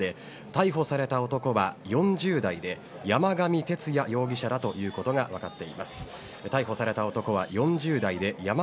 逮捕された男は４０代で山上徹也容疑者だということが分かっています。